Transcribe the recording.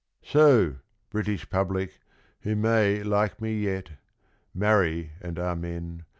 So, British Public, who may like me yet, (Marry and amen